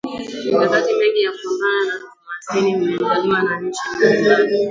Mikakati mingi ya kupambana na umaskini imeandaliwa na nchi mbalimbali